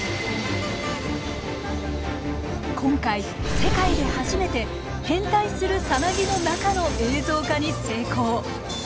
今回世界で初めて変態するさなぎの中の映像化に成功。